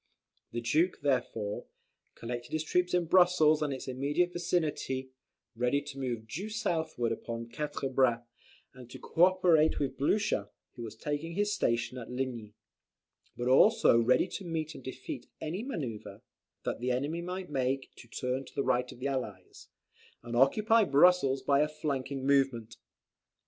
The Duke therefore, collected his troops in Brussels and its immediate vicinity, ready to move due southward upon Quatre Bras, and co operate with Blucher, who was taking his station at Ligny: but also ready to meet and defeat any manoeuvre, that the enemy might make to turn the right of the Allies, and occupy Brussels by a flanking movement.